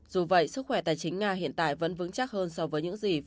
dù vậy sức khỏe tài chính nga hiện tại vẫn vững chắc hơn so với những gì